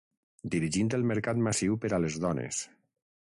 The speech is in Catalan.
Dirigint el mercat massiu per a les dones.